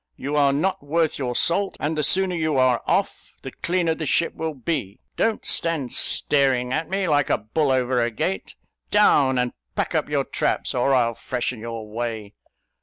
you are not worth your salt; and the sooner you are off, the cleaner the ship will be! Don't stand staring at me, like a bull over a gate! Down, and pack up your traps, or I'll freshen your way!"